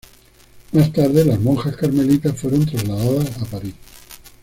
Más tarde, las monjas carmelitas fueron trasladadas a París.